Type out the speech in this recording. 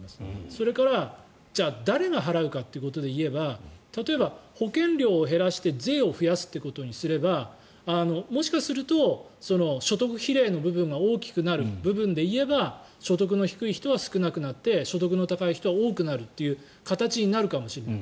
それから、じゃあ誰が払うかということで言えば例えば、保険料を減らして税を増やすということにすればもしかすると所得比例の部分が大きくなる部分で言えば所得の低い人は少なくなって所得の高い人は多くなるという形になるかもしれない。